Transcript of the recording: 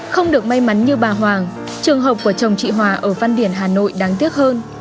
không được may mắn như bà hoàng trường hợp của chồng chị hòa ở văn điển hà nội đáng tiếc hơn